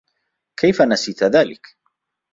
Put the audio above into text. كيف نسيت ذلك؟